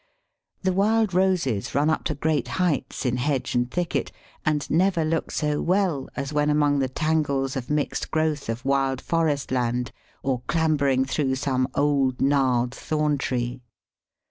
The wild Roses run up to great heights in hedge and thicket, and never look so well as when among the tangles of mixed growth of wild forest land or clambering through some old gnarled thorn tree.